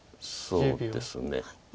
そうですね。